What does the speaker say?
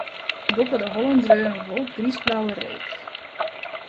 Boppe de hollen dreau in wolk griisblauwe reek.